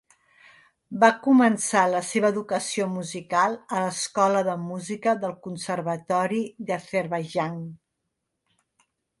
Va començar la seva educació musical a l'escola de música del Conservatori de l'Azerbaidjan.